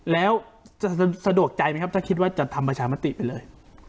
แล้วจะสะดวกใจไหมครับถ้าคิดว่าจะทำประชามติไปเลย